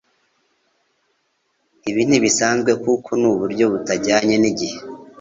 Ibi ntibisanzwe kuko nuburyo butajyanye n'igihe